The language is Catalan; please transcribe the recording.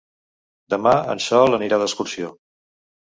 Demà en Sol anirà d'excursió.